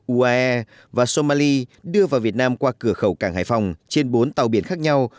uae và somali đưa vào việt nam qua cửa khẩu cảng hải phòng trên bốn tàu biển khác nhau